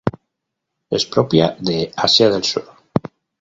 Es propia de Asia del Sur.